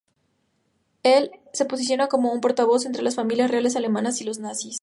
Él se posiciona como un portavoz entre las familias reales alemanas y los Nazis.